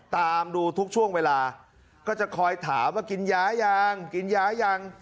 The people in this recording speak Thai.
ตามดูทุกช่วงเวลาก็จะคอยถามว่ากินยายังกินยายัง